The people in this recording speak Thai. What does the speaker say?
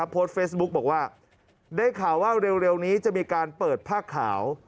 โพสต์เฟซบุ๊กบอกว่าได้ข่าวว่าเร็วนี้จะมีการเปิดผ้าขาว